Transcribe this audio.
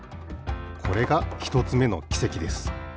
これがひとつめのきせきです。